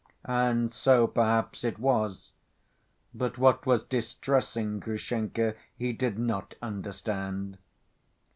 And so, perhaps, it was, but what was distressing Grushenka he did not understand.